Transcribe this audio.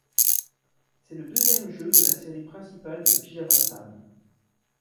C'est le deuxième jeu de la série principale de Pyjama Sam.